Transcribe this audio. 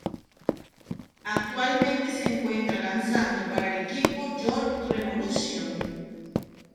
Actualmente se encuentra lanzando para el equipo York Revolution.